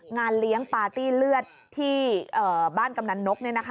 งานเลี้ยงปาร์ตี้เลือดที่บ้านกำนันนก